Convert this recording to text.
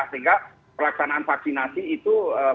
sehingga pelaksanaan vaksinasi itu